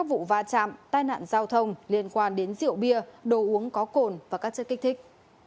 vụ va chạm tai nạn giao thông liên quan đến rượu bia đồ uống có cồn và các chất kích thích